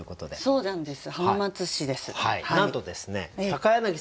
そうなんです。